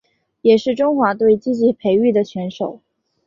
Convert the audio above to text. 也是中华队积极培育的选手。